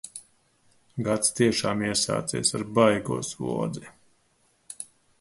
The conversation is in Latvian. Gads tiešām iesācies ar baigo slodzi!